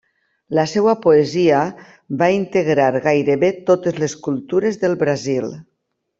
La seva poesia va integrar gairebé totes les cultures del Brasil.